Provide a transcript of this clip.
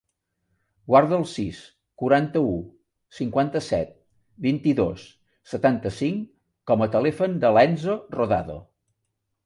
Guarda el sis, quaranta-u, cinquanta-set, vint-i-dos, setanta-cinc com a telèfon de l'Enzo Rodado.